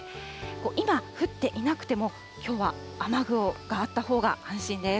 今、降っていなくてもきょうは雨具があったほうが安心です。